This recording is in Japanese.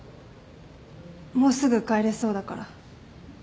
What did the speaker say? もうすぐ帰れそうだから。